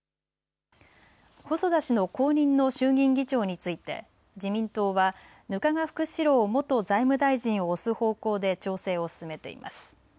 細田氏の後任の衆議院議長について自民党は額賀福志郎元財務大臣を推す方向で調整を進めています。